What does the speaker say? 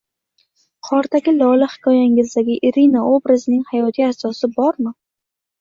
Qordagi lola hikoyangizdagi Irina obrazining hayotiy asosi bormi